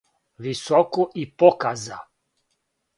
високу, и показа